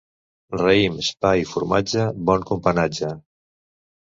Raïms, pa i formatge, bon companatge.